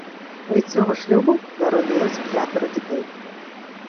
Від цього шлюбу народилось п'ятеро дітей.